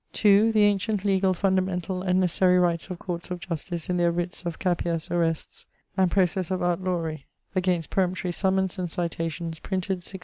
2. The antient legall fundamentall and necessary rights of courts of justice in their writs of capias arrests and proces of outlawry against peremptory summons and citations: printed 1676.